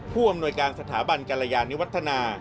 ผู้อำนวยการสถาบันกรยานิวัฒนา